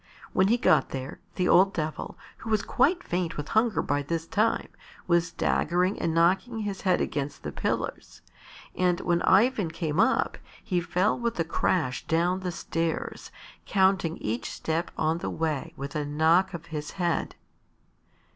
When he got there, the old Devil, who was quite faint with hunger by this time, was staggering and knocking his head against the pillars, and when Ivan came up he fell with a crash down the stairs, counting each step on the way with a knock of his head.